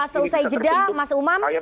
seusai jeda mas umam